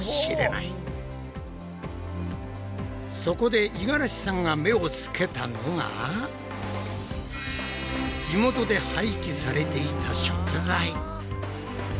そこで五十嵐さんが目をつけたのが地元で廃棄されていた食材！